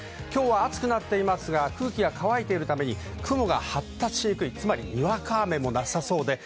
暑くなっていますが空気は乾いているため雲が発達しにくく、にわか雨もなさそうです。